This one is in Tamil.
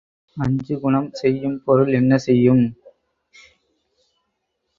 அஞ்சு குணம் செய்யும் பொருள் என்ன செய்யும்?